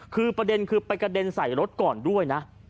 คือประเด็นคือไปกระเด็นใส่รถก่อนด้วยนะ